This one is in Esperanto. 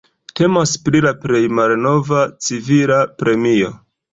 Temas pri la plej malnova civila premio.